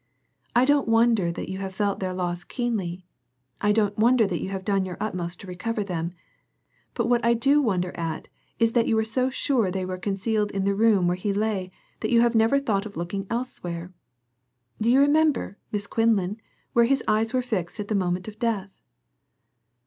"I don't wonder that you have felt their loss keenly; I don't wonder that you have done your utmost to recover them, but what I do wonder at is that you were so sure they were concealed in the room where he lay that you never thought of looking elsewhere. Do you remember, Miss Quinlan, where his eyes were fixed at the moment of death?"